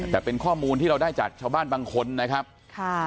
แต่เป็นข้อมูลที่เราได้จากชาวบ้านบางคนนะครับค่ะ